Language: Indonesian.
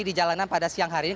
di jalanan pada siang hari ini